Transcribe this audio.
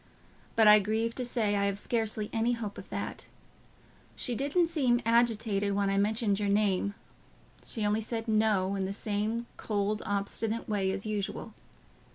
But I grieve to say I have scarcely any hope of that. She didn't seem agitated when I mentioned your name; she only said 'No,' in the same cold, obstinate way as usual.